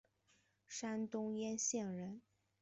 山东掖县人。